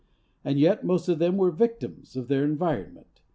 And yet most of them were victims of their environment.